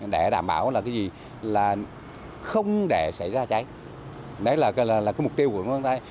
để đảm bảo là không để xảy ra cháy đấy là mục tiêu của quận văn tây